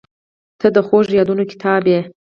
• ته د خوږو یادونو کتاب یې.